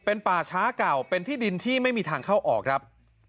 เป็นป่าช้าเก่าเป็นที่ดินที่ไม่มีทางเข้าออกครับ